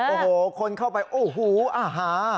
โอ้โหคนเข้าไปโอ้โหอาหาร